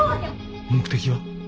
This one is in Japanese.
目的は？